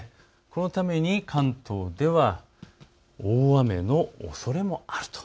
このために関東では大雨のおそれもあると。